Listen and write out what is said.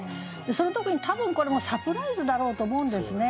その時に多分これもサプライズだろうと思うんですね。